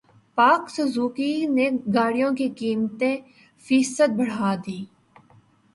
پاک سوزوکی نے گاڑیوں کی قیمتیں فیصد بڑھا دیں